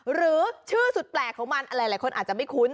หรือชื่อสุดแปลกของมันหลายคนอาจจะไม่คุ้น